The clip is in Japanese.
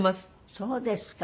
そうですか。